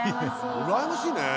うらやましいね。